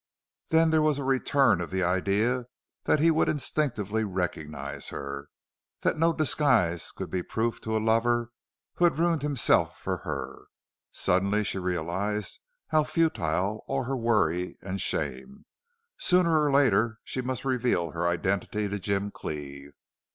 Then there was a return of the idea that he would instinctively recognize her that no disguise could be proof to a lover who had ruined himself for her. Suddenly she realized how futile all her worry and shame. Sooner or later she must reveal her identity to Jim Cleve.